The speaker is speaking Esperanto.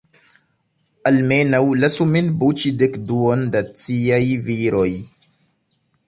Almenaŭ, lasu min buĉi dek-duon da ciaj viroj!